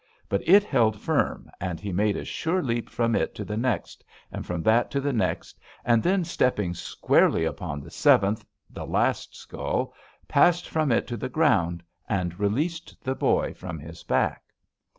But it held firm and he made a sure leap from it to the next, and from that to the next, and then, stepping squarely upon the seventh, and last skull, passed from it to the ground, and released the boy from his back.